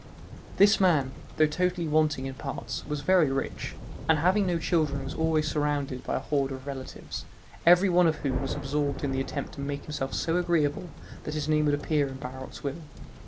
This man, though totally wanting in parts, was very rich, and having no children was always surrounded by a horde of relatives, every one of whom was absorbed in the attempt to make himself so agreeable that his name would appear in Barot's will.